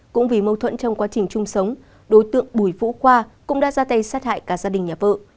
cũng vì mâu thuẫn trong quá trình chung sống đối tượng bùi vũ khoa cũng đã ra tay sát hại cả gia đình nhà vợ